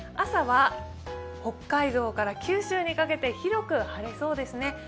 朝は北海度から九州にかけて広く晴れそうですね。